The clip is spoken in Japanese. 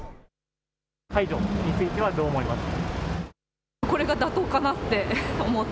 解除についてはどう思いますか？